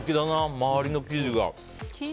周りの生地が。